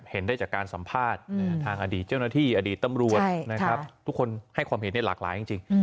เห็นได้จากการสัมภาษณ์ทางอดีตเจ้าหน้าที่อดีตตำรวจนะครับทุกคนให้ความเห็นในหลากหลายจริง